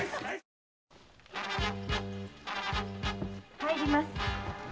入ります。